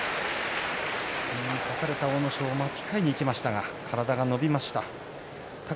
差された阿武咲は、巻き替えにいきましたが体が伸びました。